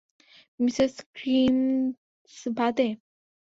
Mrs Krementz বাদে।